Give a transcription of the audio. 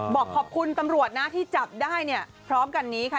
บอกขอบคุณตำรวจนะที่จับได้เนี่ยพร้อมกันนี้ค่ะ